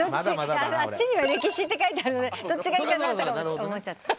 あっちにはレキシって書いてあるのでどっちがいいかなと思っちゃって。